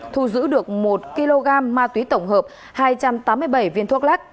thu giữ được một kg ma túy tổng hợp hai trăm tám mươi bảy viên thuốc lắc